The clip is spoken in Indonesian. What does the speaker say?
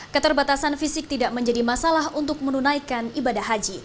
keterbatasan fisik tidak menjadi masalah untuk menunaikan ibadah haji